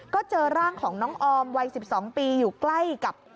ก็เจอร่างของน้องออมวัย๑๒ปีอยู่ใกล้กับ